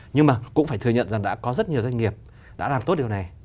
nhưng mà cũng phải thừa nhận rằng đã có rất nhiều doanh nghiệp đã làm tốt điều này